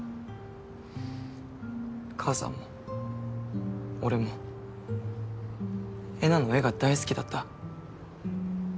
母さんも俺もえなの絵が大好きだった。